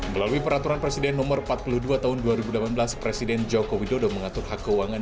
melalui peraturan presiden no empat puluh dua tahun dua ribu delapan belas presiden joko widodo mengatur hak keuangan